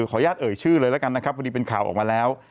อนุญาตเอ่ยชื่อเลยแล้วกันนะครับพอดีเป็นข่าวออกมาแล้ว